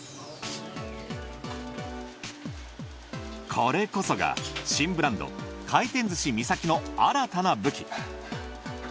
これこそが新ブランド回転寿司みさきの新たな武器。